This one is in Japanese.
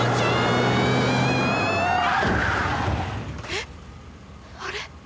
えっ？あれ？